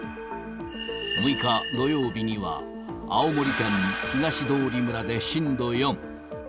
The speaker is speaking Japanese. ６日土曜日には、青森県東通村で震度４。